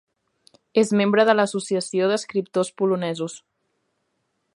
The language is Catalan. És membre de l'Associació d'Escriptors Polonesos.